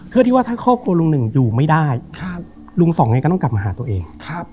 เพื่อที่ว่าถ้าครอบครัวลุงหนึ่งอยู่ไม่ได้ลุงสองไงก็ต้องกลับมาหาตัวเอง